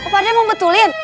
pakde mau betulin